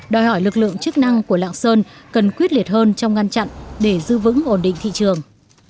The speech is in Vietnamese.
đòi hỏi lực lượng chức năng của lạng sơn cần quyết liệt hơn trong ngăn chặn để giữ vững ổn định thị trường